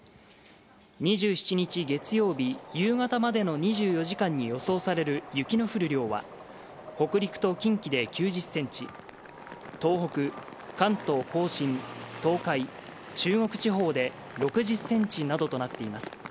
２７日月曜日夕方までの２４時間に予想される雪の降る量は北陸と近畿で９０ｃｍ東北、関東・甲信、東海中国地方で６０ｃｍなどとなっています。